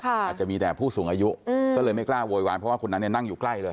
อาจจะมีแต่ผู้สูงอายุก็เลยไม่กล้าโวยวายเพราะว่าคนนั้นเนี่ยนั่งอยู่ใกล้เลย